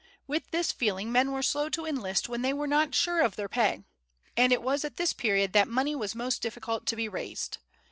With this feeling men were slow to enlist when they were not sure of their pay, and it was at this period that money was most difficult to be raised.